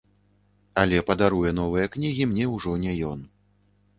Але падаруе новыя кнігі мне ўжо не ён.